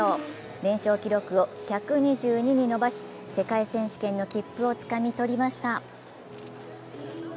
連勝記録を１２２に伸ばし世界選手権の切符をつかみ取りました。